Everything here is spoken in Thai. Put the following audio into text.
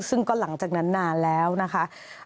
ซึ่งก็หลังจากนั้นนานแล้วนะคะ